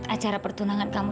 acara pertunangan itu